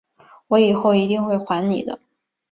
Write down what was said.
我以后一定会还你的